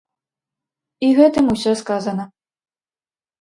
І гэтым усё сказана.